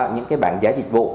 những bản giá dịch vụ